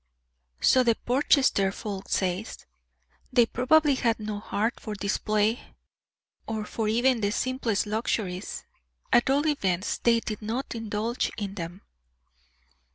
"So the Portchester folks say. They probably had no heart for display or for even the simplest luxuries. At all events, they did not indulge in them."